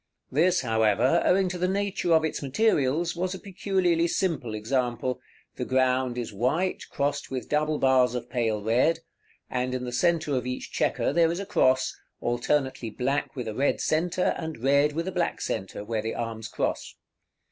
This, however, owing to the nature of its materials, was a peculiarly simple example; the ground is white, crossed with double bars of pale red, and in the centre of each chequer there is a cross, alternately black with a red centre and red with a black centre where the arms cross.